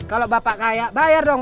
kalau bapak kayak bayar dong